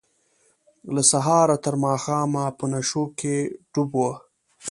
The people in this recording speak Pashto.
له سهاره تر ماښامه په نشو کې ډوب وه.